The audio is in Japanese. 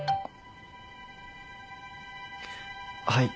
はい。